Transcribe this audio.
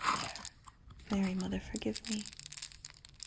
There!... Mary mother, forgive me."